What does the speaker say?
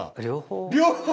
両方。